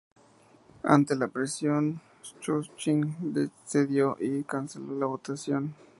Ante la presión, Schuschnigg cedió y canceló la votación.